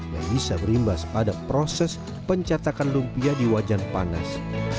yang bisa berimbas pada proses pencetakan lumpia di wajan panas